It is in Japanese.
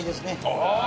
ああ！